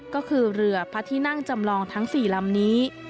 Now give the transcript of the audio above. ก็คือเรือพระที่นั่งจำลองทั้ง๔ลำนี้